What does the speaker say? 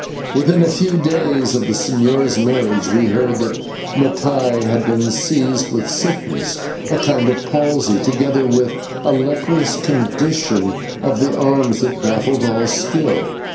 Within a few days of the señor's marriage we heard that Mattai had been seized with sickness, a kind of palsy, together with a leprous condition of the arms that baffled all skill.